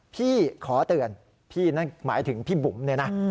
พี่ขอเตือนพี่นั่นหมายถึงพี่บุ๋มเนี่ยนะ